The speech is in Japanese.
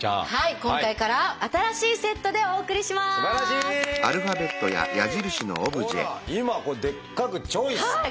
今回から新しいセットでお送りします！